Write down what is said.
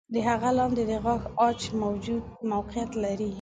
د هغه لاندې د غاښ عاج موقعیت لري.